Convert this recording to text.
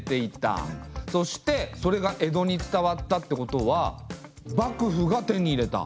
そしてそれが江戸に伝わったってことは幕府が手に入れた。